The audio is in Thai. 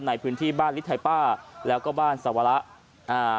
ในพื้นที่บ้านฤทัยป้าแล้วก็บ้านสวระอ่า